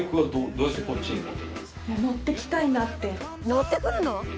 乗ってくるの？え！？